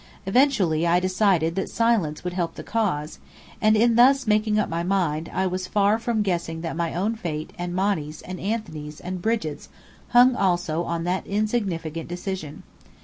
Eventually I decided that silence would help the cause; and in thus making up my mind I was far from guessing that my own fate and Monny's and Anthony's and Brigit's hung also on that insignificant decision.